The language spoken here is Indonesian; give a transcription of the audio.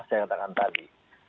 saya katakan tadi